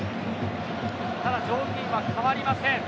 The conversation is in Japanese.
ただ、条件は変わりません。